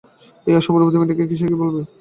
এই অসম্ভব রূপবতী মেয়েটিকে সে কী বলবে?